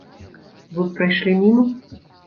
Вы б прайшлі міма?